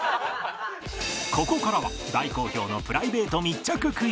ここからは大好評の「プライベート密着クイズ」